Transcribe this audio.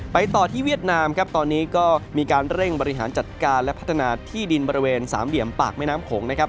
ต่อที่เวียดนามครับตอนนี้ก็มีการเร่งบริหารจัดการและพัฒนาที่ดินบริเวณสามเหลี่ยมปากแม่น้ำโขงนะครับ